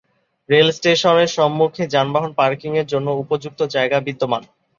রেলস্টেশনের সম্মুখে যানবাহন পার্কিং এর জন্য উপযুক্ত জায়গা বিদ্যমান।